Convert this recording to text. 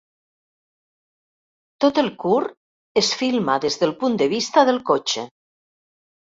Tot el curt es filma des del punt de vista del cotxe.